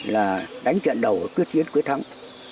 là đánh trận đầu quyết chiến quyết thắng